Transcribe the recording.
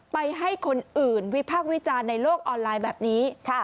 ให้คนอื่นวิพากษ์วิจารณ์ในโลกออนไลน์แบบนี้